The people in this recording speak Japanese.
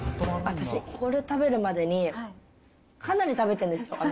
私、これ食べるまでにかなり食べてるんですよ。